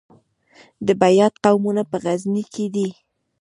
د بیات قومونه په غزني کې دي